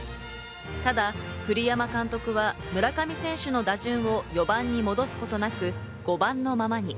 ただ栗山監督は村上選手の打順を４番に戻すことなく５番のままに。